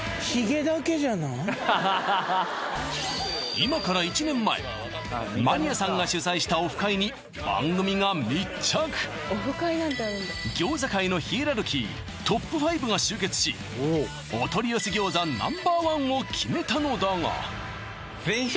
今から１年前マニアさんが主催したオフ会に番組が密着餃子界のヒエラルキーＴＯＰ５が集結しお取り寄せ餃子Ｎｏ．１を決めたのだが全笑